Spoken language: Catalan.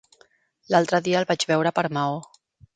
L'altre dia el vaig veure per Maó.